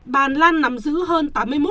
bàn lan nắm giữ hơn tám mươi một